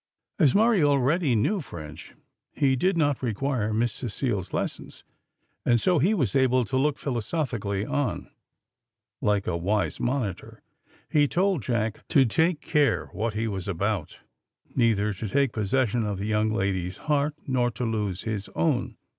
As Murray already knew French, he did not require Miss Cecile's lessons, and so he was able to look philosophically on, and, like a wise monitor, he told Jack to take care what he was about, neither to take possession of the young lady's heart nor to lose his own.